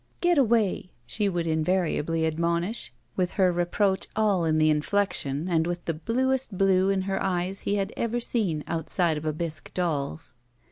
"Getaway!" she would invariably admonish, with her reproach aU in the inflection and with the bluest blue in her eyes he had ever seen outside of a bisque doll's.